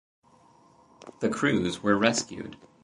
The crews were rescued.